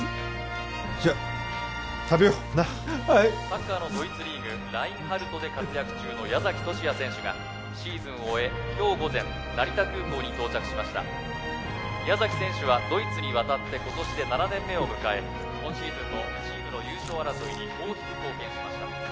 サッカーのドイツリーグラインハルトで活躍中の矢崎十志也選手がシーズンを終え今日午前成田空港に到着しました矢崎選手はドイツに渡って今年で７年目を迎え今シーズンもチームの優勝争いに大きく貢献しました